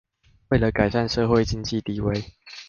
為了改善社會經濟地位